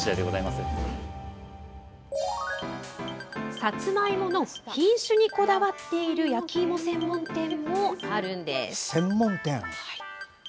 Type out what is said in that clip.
さつまいもの品種にこだわっている焼きいも専門店もあるんです。